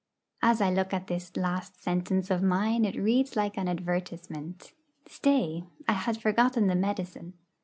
As I look at this last sentence of mine it reads like an advertisement. Stay I had forgotten the medicine.